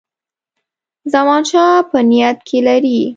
زمانشاه په نیت کې لري.